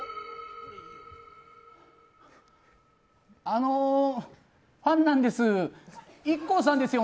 あのファンなんです。